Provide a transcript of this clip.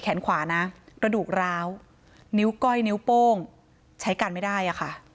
ขวานะกระดูกร้าวนิ้วก้อยนิ้วโป้งใช้กันไม่ได้อะค่ะ